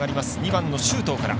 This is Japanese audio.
２番の周東から。